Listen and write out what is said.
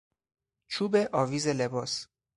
چوب آویز لباس